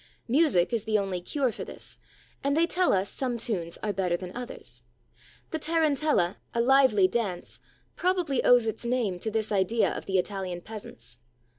Music is the only cure for this, and they tell us some tunes are better than others. The tarantella, a lively dance, probably owes its name to this idea of the Italian peasants.